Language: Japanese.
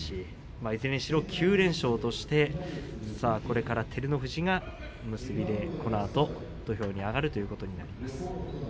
いずれも９連勝としてこれから照ノ富士が結びでこのあと土俵に上がることになります。